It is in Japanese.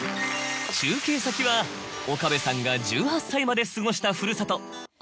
中継先は岡部さんが１８歳まで過ごした。